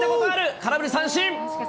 空振り三振。